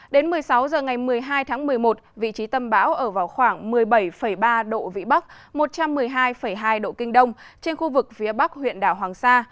đến một mươi sáu h ngày một mươi hai tháng một mươi một vị trí tâm bão ở vào khoảng một mươi bảy ba độ vĩ bắc một trăm một mươi hai hai độ kinh đông trên khu vực phía bắc huyện đảo hoàng sa